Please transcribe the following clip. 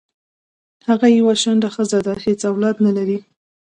هغه یوه شنډه خځه ده حیڅ اولاد نه لری